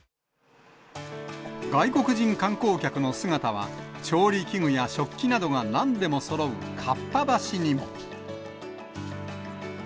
外国人観光客の姿は、調理器具や食器などがなんでもそろうかっぱ橋にも。